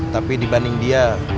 tapi dibanding dia